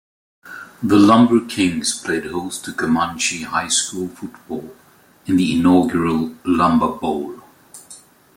The LumberKings played host to Camanche High School Football in the inaugural LumberBowl.